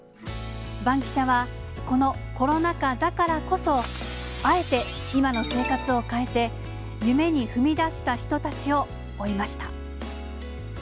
バンキシャは、このコロナ禍だからこそ、あえて今の生活を変えて、夢に踏み出した人たちを追いました。